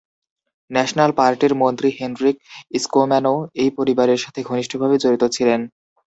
National পার্টির মন্ত্রী Hendrik স্কোম্যানও এই পরিবারের সাথে ঘনিষ্ঠভাবে জড়িত ছিলেন।